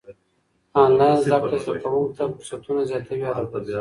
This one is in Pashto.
انلاين زده کړه زده کوونکو ته فرصتونه زياتوي هره ورځ.